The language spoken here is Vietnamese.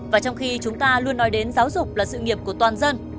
và trong khi chúng ta luôn nói đến giáo dục là sự nghiệp của toàn dân